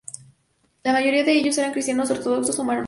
La mayoría de ellos eran cristianos ortodoxos o maronitas.